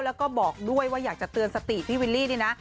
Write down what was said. แล้วก็บอกด้วยว่าอยากจะเตือนสติพี่วิลลี่นี่นะ